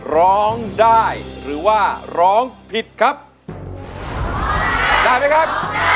ร้องได้หรือว่าร้องผิดครับได้ไหมครับ